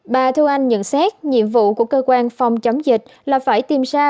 bà thu anh nhận xét nhiệm vụ của cơ quan phòng chống dịch là phải tìm ra